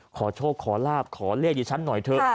ขอโชคขอลาบขอเลขที่ฉันหน่อยเถอะ